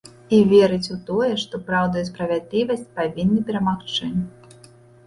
І верыць у тое, што праўда і справядлівасць павінны перамагчы.